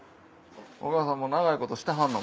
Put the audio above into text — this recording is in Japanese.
お母さんも長いことしてはんの？